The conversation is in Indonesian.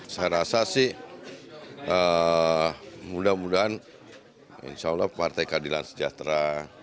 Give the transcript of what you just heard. saya rasa sih mudah mudahan insya allah partai keadilan sejahtera